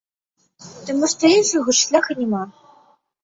Таму што іншага шляху няма.